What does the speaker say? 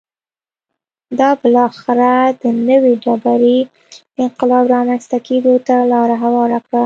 دا بالاخره د نوې ډبرې انقلاب رامنځته کېدو ته لار هواره کړه